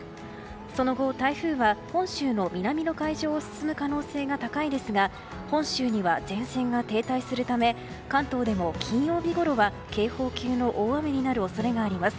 その後、台風は本州の南の海上を進む可能性が高いですが本州には前線が停滞するため関東でも金曜日ころは警報級の大雨になる恐れがあります。